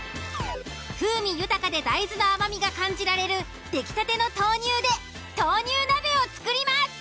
風味豊かで大豆の甘みが感じられる出来たての豆乳で豆乳鍋を作ります。